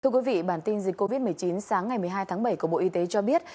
thưa quý vị bản tin dịch covid một mươi chín sáng ngày một mươi hai tháng bảy của bộ y tế cho biết